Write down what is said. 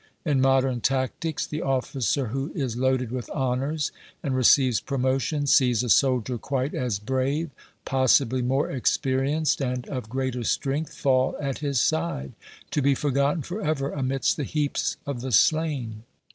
In modern tactics, the officer who is loaded with honours and receives promotion sees a soldier quite as brave, possibly more experienced and of greater strength, fall at his side, to be forgotten for ever amidst the heaps of the slain.